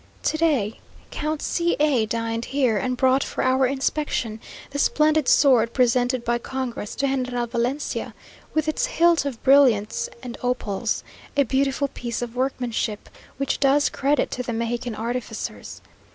To day Count C a dined here, and brought for our inspection the splendid sword presented by Congress to General Valencia, with its hilt of brilliants and opals; a beautiful piece of workmanship, which does credit to the Mexican artificers.